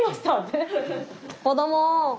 子ども。